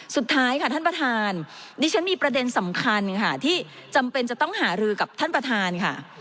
สุดท้ายค่ะท่านประธานดิฉันมีประเด็นสำคัญค่ะที่จำเป็นจะต้องหารือกับท่านประธานค่ะ